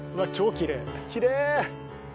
きれい！